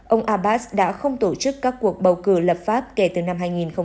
ông abbas đã không tổ chức các cuộc bầu cử lập pháp kể từ năm hai nghìn sáu